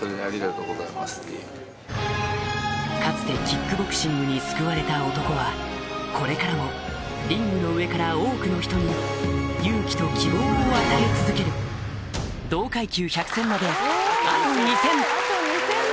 かつてキックボクシングに救われた男はこれからもリングの上から多くの人に勇気と希望を与え続けるあと２戦で。